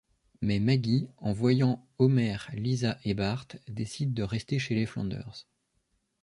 Mais Maggie, en voyant Homer, Lisa et Bart, décide de rester chez les Flanders.